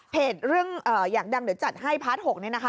เรื่องอยากดังเดี๋ยวจัดให้พาร์ท๖เนี่ยนะคะ